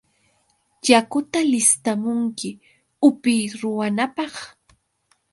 ¡Yakuta listamunki upiy ruwanapaq!